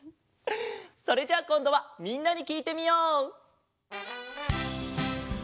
それじゃあこんどはみんなにきいてみよう！